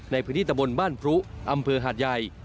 ในพื้นที่ตะบนบ้านพรุอำเภอหาดใหญ่